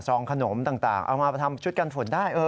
ขนมต่างเอามาทำชุดกันฝนได้